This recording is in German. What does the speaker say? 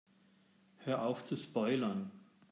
Hör auf zu spoilern!